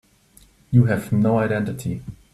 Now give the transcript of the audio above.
You have no identity.